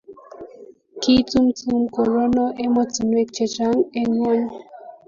kiitumtum korono emotunwek che chang' eng' ng'ony